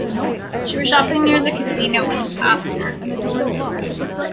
She was shopping near the casino when he passed her.